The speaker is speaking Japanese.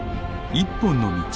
「一本の道」。